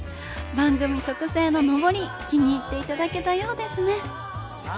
番組特製ののぼり気に入っていただけたようですね。